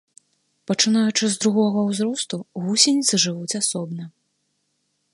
Пачынаючы з другога ўзросту, гусеніцы жывуць асобна.